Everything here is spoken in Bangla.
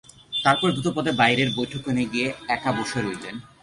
তার পরে দ্রুতপদে বাইরের বৈঠকখানায় গিয়ে একা বসে রইলেন।